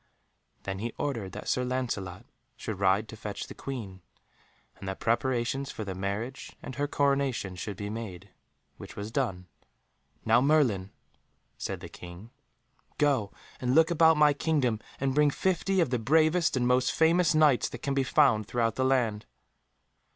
Then he ordered that Sir Lancelot should ride to fetch the Queen, and that preparations for the marriage and her coronation should be made, which was done. "Now, Merlin," said the King, "go and look about my kingdom and bring fifty of the bravest and most famous Knights that can be found throughout the land."